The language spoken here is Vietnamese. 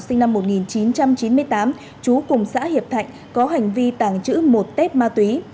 sinh năm một nghìn chín trăm chín mươi tám trú cùng xã hiệp thạnh có hành vi tàng trữ một tết ma túy